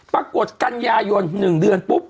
ปรากฏกันยายน๑เดือนปุ๊บ